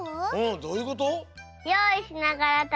どういうこと？